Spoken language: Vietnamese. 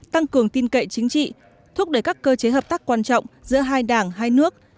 tăng cường tin cậy chính trị thúc đẩy các cơ chế hợp tác quan trọng giữa hai đảng hai nước